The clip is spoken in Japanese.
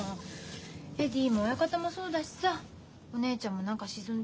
エディも親方もそうだしさお姉ちゃんも何か沈んでるし。